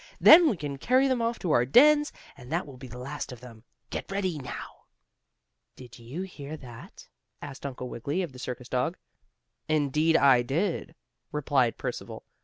Then we can carry them off to our dens, and that will be the last of them. Get ready now!" "Did you hear that?" asked Uncle Wiggily of the circus dog. "Indeed I did," replied Percival.